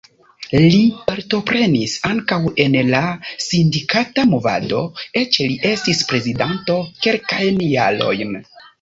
Li partoprenis ankaŭ en la sindikata movado, eĉ li estis prezidanto kelkajn jarojn.